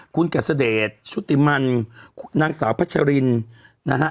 คุณกัศเดชชุติมันนางสาวพัชรินนะฮะ